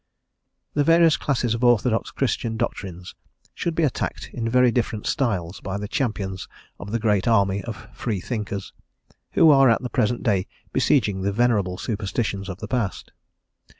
The various classes of orthodox Christian doctrines should be attacked in very different styles by the champions of the great army of free thinkers, who are at the present day besieging the venerable superstitions of the past.